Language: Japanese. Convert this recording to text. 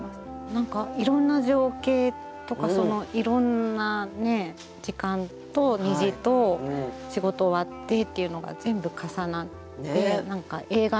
何かいろんな情景とかいろんなね時間と虹と仕事終わってっていうのが全部重なって何か映画の終わりのような。